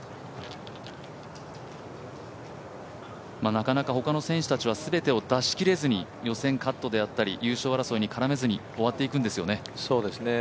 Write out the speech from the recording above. なかなか他の選手たちは全部を出し切れずに予選カットであったり優勝争いに絡めずに終わっていくんですよね。